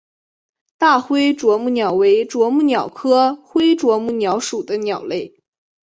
大灰啄木鸟为啄木鸟科灰啄木鸟属的鸟类。